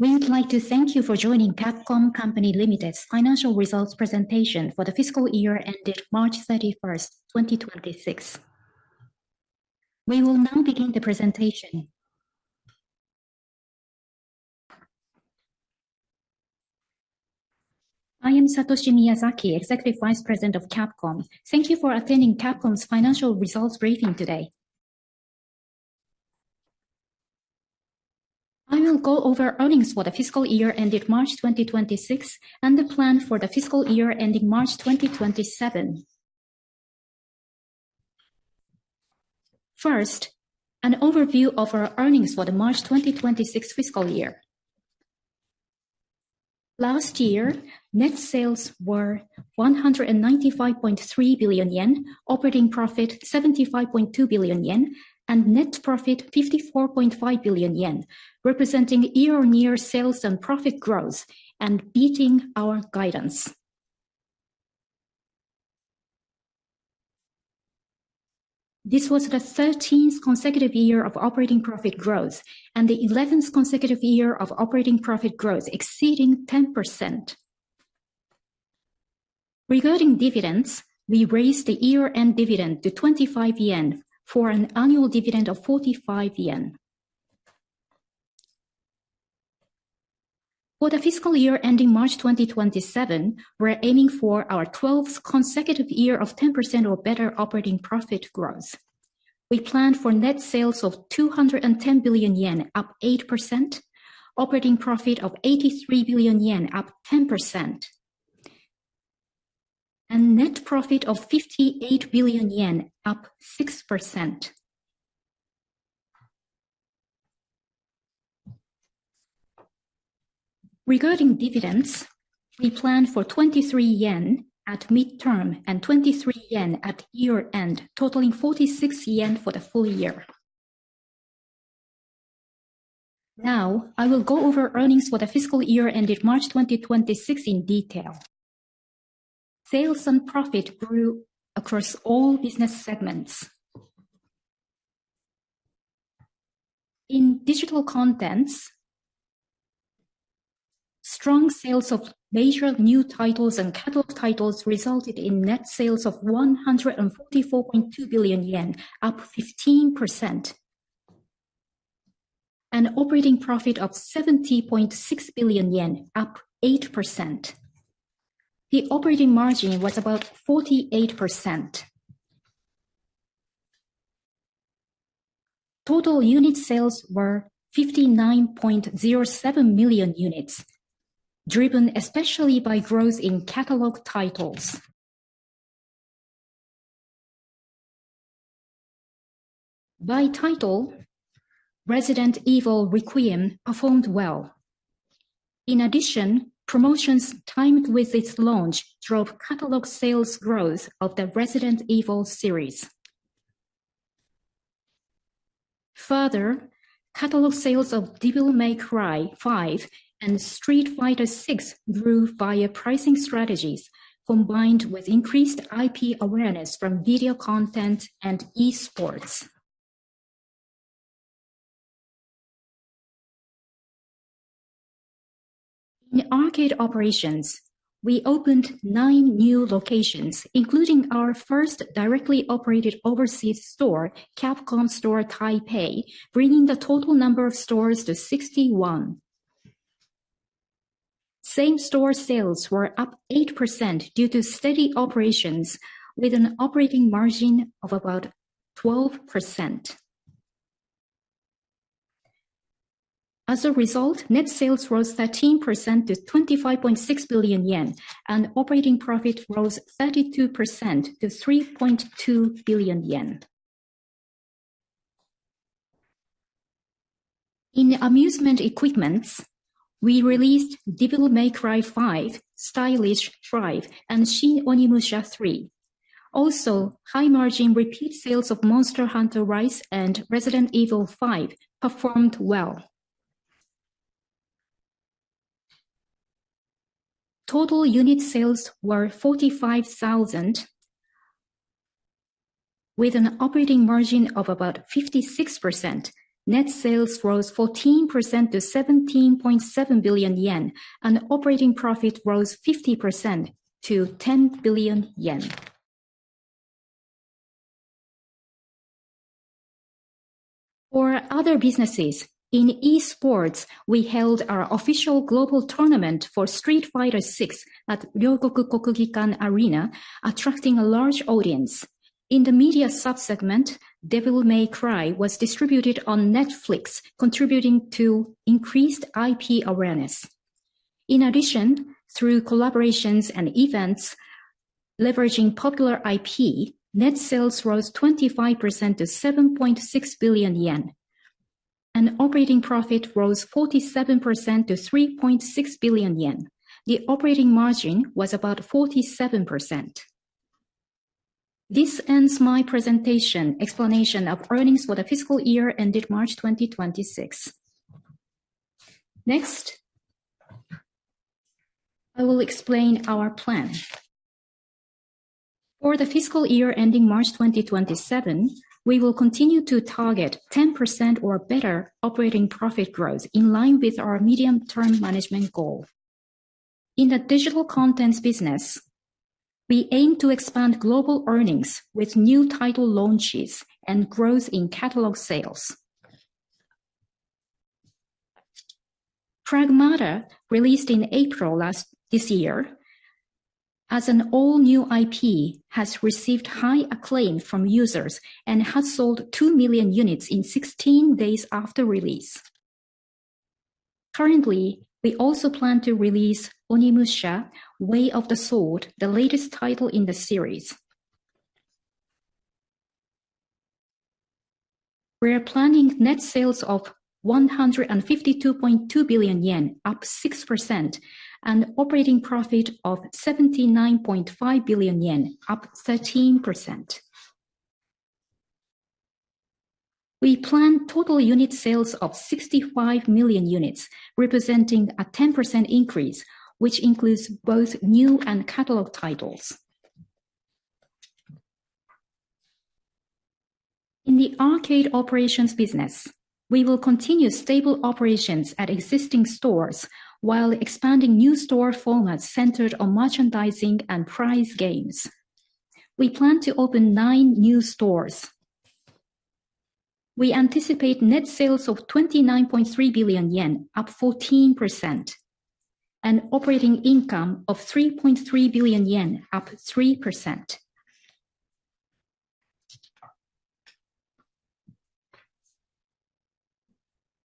We would like to thank you for joining Capcom Co., Ltd.'s financial results presentation for the fiscal year ended March 31st, 2026. We will now begin the presentation. I am Satoshi Miyazaki, Executive Vice President of Capcom. Thank you for attending Capcom's financial results briefing today. I will go over earnings for the fiscal year ended March 2026, and the plan for the fiscal year ending March 2027. First, an overview of our earnings for the March 2026 fiscal year. Last year, net sales were 195.3 billion yen, operating profit 75.2 billion yen, and net profit 54.5 billion yen, representing year-on-year sales and profit growth and beating our guidance. This was the 13th consecutive year of operating profit growth and the 11th consecutive year of operating profit growth exceeding 10%. Regarding dividends, we raised the year-end dividend to 25 yen for an annual dividend of 45 yen. For the fiscal year ending March 2027, we're aiming for our 12th consecutive year of 10% or better operating profit growth. We plan for net sales of 210 billion yen, up 8%, operating profit of 83 billion yen, up 10%, and net profit of 58 billion yen, up 6%. Regarding dividends, we plan for 23 yen at midterm and 23 yen at year-end, totaling 46 yen for the full year. I will go over earnings for the fiscal year ended March 2026 in detail. Sales and profit grew across all business segments. In Digital Content, strong sales of major new titles and catalog titles resulted in net sales of 144.2 billion yen, up 15%, and operating profit of 70.6 billion yen, up 8%. The operating margin was about 48%. Total unit sales were 59.07 million units, driven especially by growth in catalog titles. By title, Resident Evil Requiem performed well. In addition, promotions timed with its launch drove catalog sales growth of the Resident Evil series. Further, catalog sales of Devil May Cry 5 and Street Fighter series grew via pricing strategies, combined with increased IP awareness from video content and esports. In arcade operations, we opened nine new locations, including our first directly operated overseas store, Capcom Store Taipei, bringing the total number of stores to 61. Same-store sales were up 8% due to steady operations with an operating margin of about 12%. As a result, net sales rose 13% to 25.6 billion yen, and operating profit rose 32% to 3.2 billion yen. In amusement equipments, we released Devil May Cry 5, Stylish Tribe, and Shin Onimusha 3. Also, high-margin repeat sales of Monster Hunter Rise and Resident Evil 5 performed well. Total unit sales were 45,000 with an operating margin of about 56%. Net sales rose 14% to 17.7 billion yen. Operating profit rose 50% to 10 billion yen. For other businesses, in esports, we held our official global tournament for Street Fighter 6 at Ryogoku Kokugikan Arena, attracting a large audience. In the media sub-segment, Devil May Cry was distributed on Netflix, contributing to increased IP awareness. Through collaborations and events leveraging popular IP, net sales rose 25% to 7.6 billion yen. Operating profit rose 47% to 3.6 billion yen. The operating margin was about 47%. This ends my presentation explanation of earnings for the fiscal year ended March 2026. Next, I will explain our plan. For the fiscal year ending March 2027, we will continue to target 10% or better operating profit growth in line with our medium-term management goal. In the Digital Contents Business, we aim to expand global earnings with new title launches and growth in catalog sales. Pragmata" released in April this year, as an all-new IP, has received high acclaim from users and has sold 2 million units in 16 days after release. Currently, we also plan to release "Onimusha: Way of the Sword," the latest title in the series. We're planning net sales of 152.2 billion yen, up 6%, and operating profit of 79.5 billion yen, up 13%. We plan total unit sales of 65 million units, representing a 10% increase, which includes both new and catalog titles. In the arcade operations business, we will continue stable operations at existing stores while expanding new store formats centered on merchandising and prize games. We plan to open nine new stores. We anticipate net sales of 29.3 billion yen, up 14%, and operating income of 3.3 billion yen, up 3%.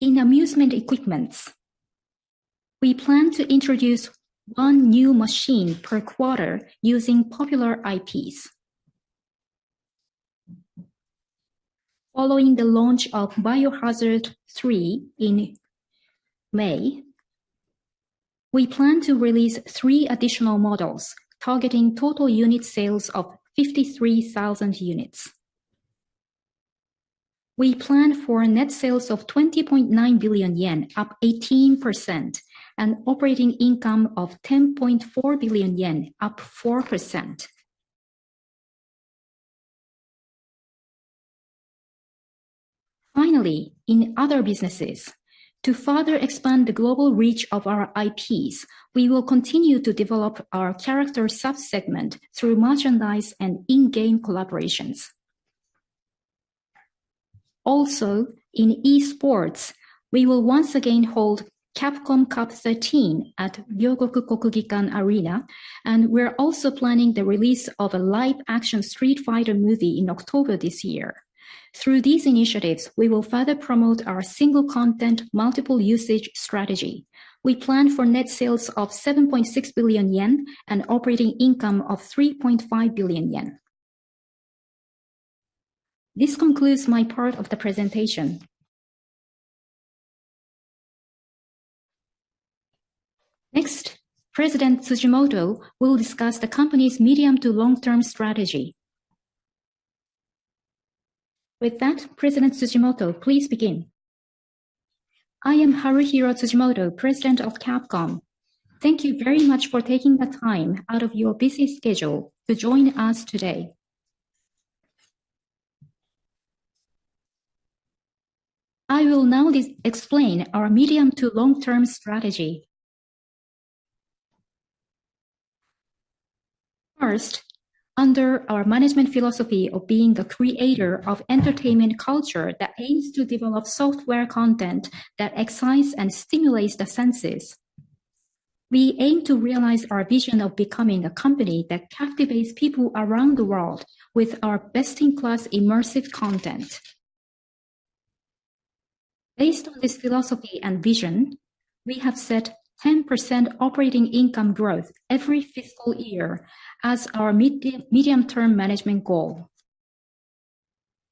In amusement equipment, we plan to introduce one new machine per quarter using popular IPs. Following the launch of "Biohazard 3" in May, we plan to release three additional models targeting total unit sales of 53,000 units. We plan for net sales of 20.9 billion yen, up 18%, and operating income of 10.4 billion yen, up 4%. In other businesses, to further expand the global reach of our IPs, we will continue to develop our character sub-segment through merchandise and in-game collaborations. In esports, we will once again hold Capcom Cup 13 at Ryogoku Kokugikan Arena, and we're also planning the release of a live-action "Street Fighter" movie in October this year. Through these initiatives, we will further promote our Single Content Multiple Usage strategy. We plan for net sales of 7.6 billion yen and operating income of 3.5 billion yen. This concludes my part of the presentation. President Tsujimoto will discuss the company's medium to long-term strategy. President Tsujimoto, please begin. I am Haruhiro Tsujimoto, President of Capcom. Thank you very much for taking the time out of your busy schedule to join us today. I will now explain our medium to long-term strategy. Under our management philosophy of being the creator of entertainment culture that aims to develop software content that excites and stimulates the senses, we aim to realize our vision of becoming a company that captivates people around the world with our best-in-class immersive content. Based on this philosophy and vision, we have set 10% operating income growth every fiscal year as our medium-term management goal.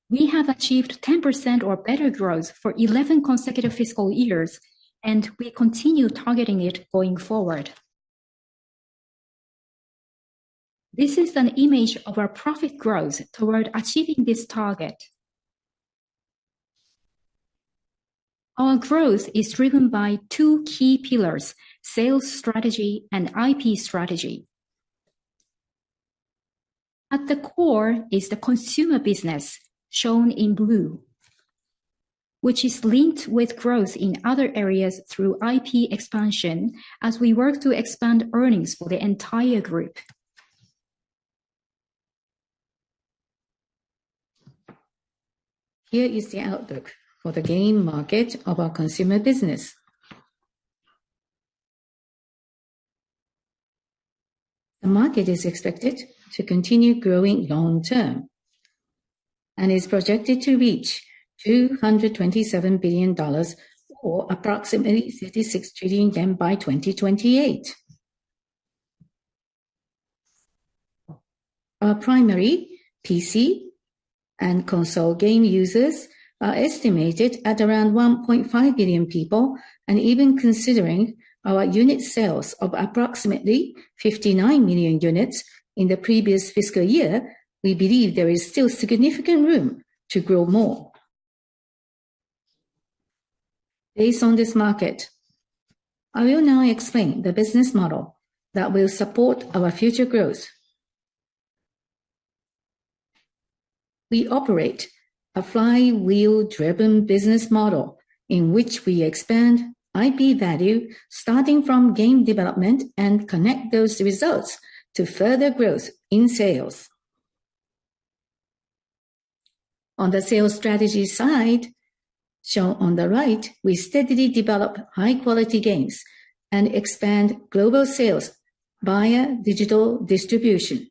We have achieved 10% or better growth for 11 consecutive fiscal years, we continue targeting it going forward. This is an image of our profit growth toward achieving this target. Our growth is driven by two key pillars, sales strategy and IP strategy. At the core is the consumer business, shown in blue, which is linked with growth in other areas through IP expansion as we work to expand earnings for the entire group. Here is the outlook for the game market of our consumer business. The market is expected to continue growing long-term and is projected to reach $227 billion or approximately ¥36 trillion by 2028. Our primary PC and console game users are estimated at around 1.5 billion people, and even considering our unit sales of approximately 59 million units in the previous fiscal year, we believe there is still significant room to grow more. Based on this market, I will now explain the business model that will support our future growth. We operate a flywheel-driven business model in which we expand IP value starting from game development and connect those results to further growth in sales. On the sales strategy side, shown on the right, we steadily develop high-quality games and expand global sales via digital distribution.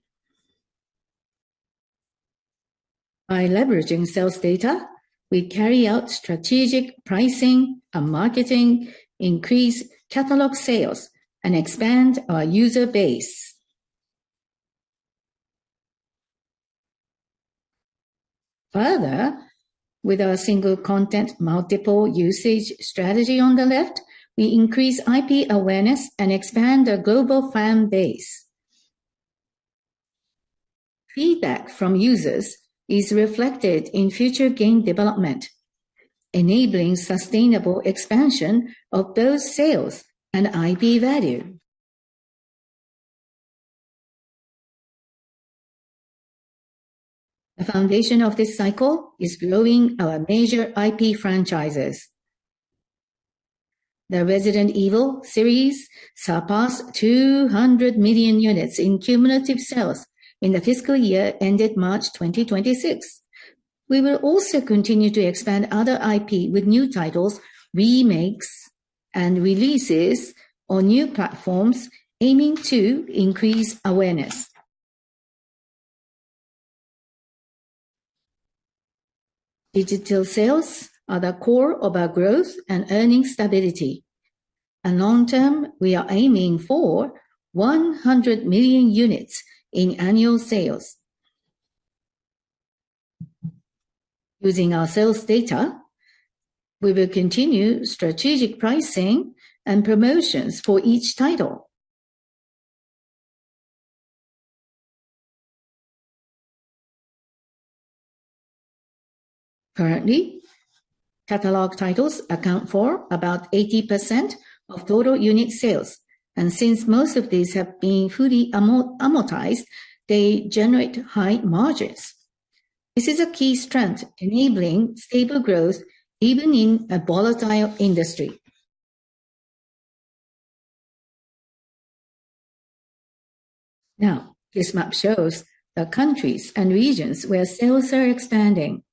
By leveraging sales data, we carry out strategic pricing and marketing, increase catalog sales, and expand our user base. Further, with our Single Content Multiple Usage strategy on the left, we increase IP awareness and expand our global fan base. Feedback from users is reflected in future game development, enabling sustainable expansion of those sales and IP value. The foundation of this cycle is growing our major IP franchises. The Resident Evil series surpassed 200 million units in cumulative sales in the fiscal year ended March 2026. We will also continue to expand other IP with new titles, remakes, and releases on new platforms, aiming to increase awareness. Digital sales are the core of our growth and earning stability. Long-term, we are aiming for 100 million units in annual sales. Using our sales data, we will continue strategic pricing and promotions for each title. Currently, catalog titles account for about 80% of total unit sales, and since most of these have been fully amortized, they generate high margins. This is a key strength enabling stable growth even in a volatile industry. Now, this map shows the countries and regions where sales are expanding.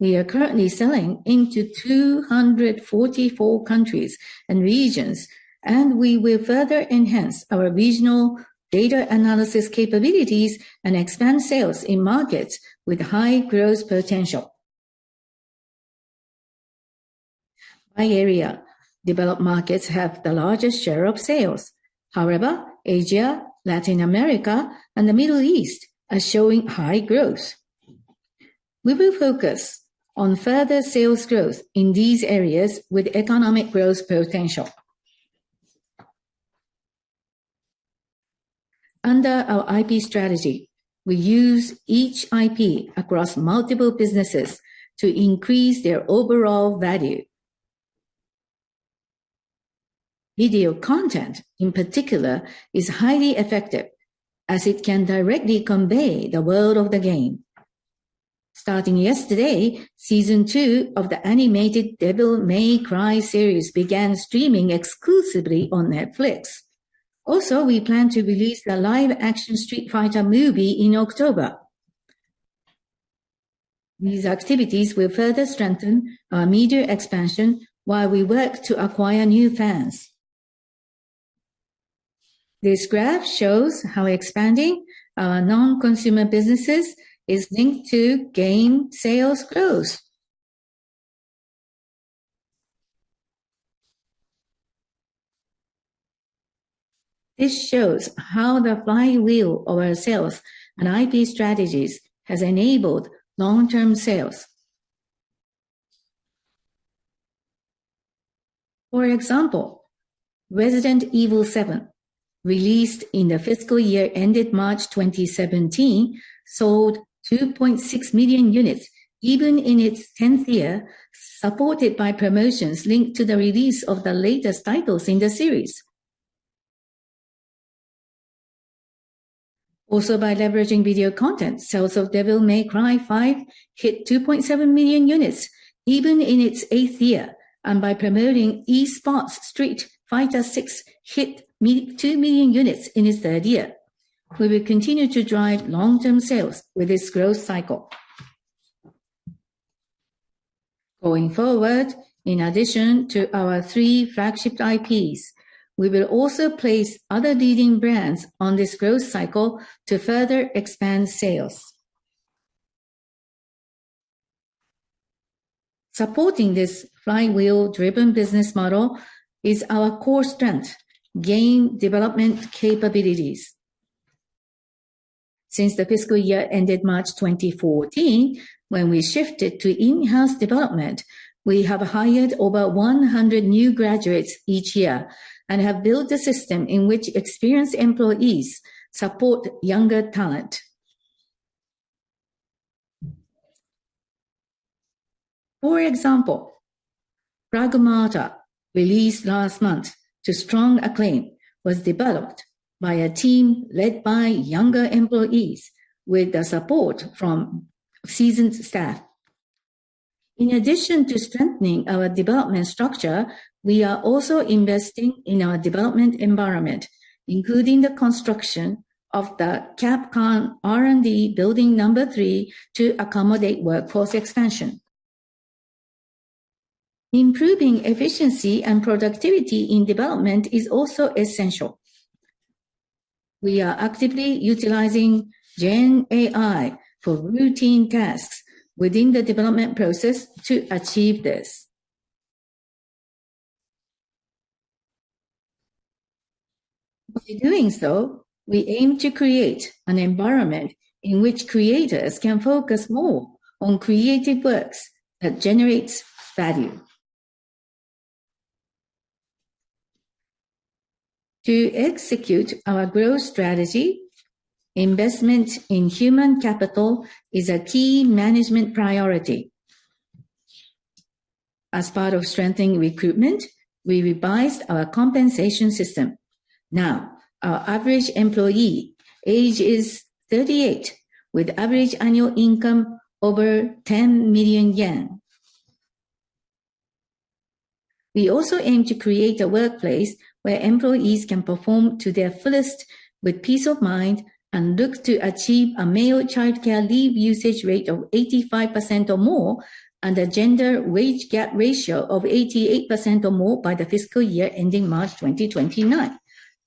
We are currently selling into 244 countries and regions, and we will further enhance our regional data analysis capabilities and expand sales in markets with high growth potential. By area, developed markets have the largest share of sales. However, Asia, Latin America, and the Middle East are showing high growth. We will focus on further sales growth in these areas with economic growth potential. Under our IP strategy, we use each IP across multiple businesses to increase their overall value. Video content, in particular, is highly effective as it can directly convey the world of the game. Starting yesterday, season 2 of the animated Devil May Cry series began streaming exclusively on Netflix. Also, we plan to release the live-action Street Fighter movie in October. These activities will further strengthen our media expansion while we work to acquire new fans. This graph shows how expanding our non-consumer businesses is linked to game sales growth. This shows how the flywheel of our sales and IP strategies has enabled long-term sales. For example, Resident Evil 7, released in the fiscal year ended March 2017, sold 2.6 million units even in its 10th year, supported by promotions linked to the release of the latest titles in the series. By leveraging video content, sales of Devil May Cry 5 hit 2.7 million units even in its eighth year. By promoting esports, Street Fighter 6 hit two million units in its third year. We will continue to drive long-term sales with this growth cycle. Going forward, in addition to our three flagship IPs, we will also place other leading brands on this growth cycle to further expand sales. Supporting this flywheel-driven business model is our core strength: game development capabilities. Since the fiscal year ended March 2014, when we shifted to in-house development, we have hired over 100 new graduates each year and have built a system in which experienced employees support younger talent. For example, "Pragmata," released last month to strong acclaim, was developed by a team led by younger employees with the support from seasoned staff. In addition to strengthening our development structure, we are also investing in our development environment, including the construction of the Capcom R&D Building Number three to accommodate workforce expansion. Improving efficiency and productivity in development is also essential. We are actively utilizing gen AI for routine tasks within the development process to achieve this. By doing so, we aim to create an environment in which creators can focus more on creative works that generates value. To execute our growth strategy, investment in human capital is a key management priority. As part of strengthening recruitment, we revised our compensation system. Our average employee age is 38 with average annual income over 10 million yen. We also aim to create a workplace where employees can perform to their fullest with peace of mind and look to achieve a male childcare leave usage rate of 85% or more and a gender wage gap ratio of 88% or more by the fiscal year ending March 2029.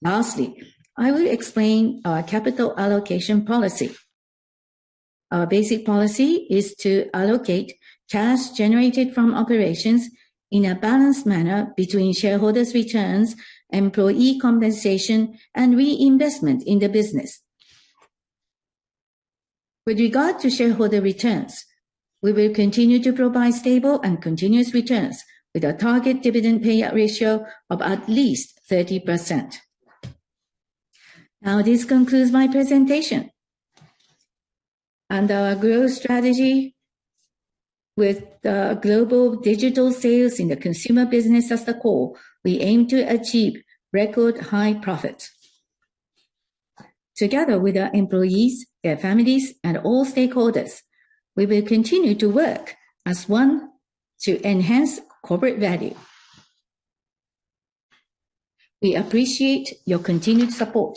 Lastly, I will explain our capital allocation policy. Our basic policy is to allocate cash generated from operations in a balanced manner between shareholders' returns, employee compensation, and reinvestment in the business. With regard to shareholder returns, we will continue to provide stable and continuous returns with a target dividend payout ratio of at least 30%. This concludes my presentation. Under our growth strategy with the global digital sales in the consumer business as the core, we aim to achieve record high profit. Together with our employees, their families, and all stakeholders, we will continue to work as one to enhance corporate value. We appreciate your continued support.